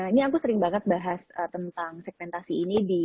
ini aku sering banget bahas tentang segmentasi ini di